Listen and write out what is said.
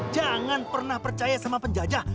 jangan pernah percaya sama penjajah